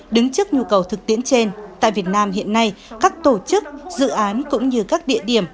đứng trước nhu cầu thực tiễn trên tại việt nam hiện nay các tổ chức dự án cũng như các địa điểm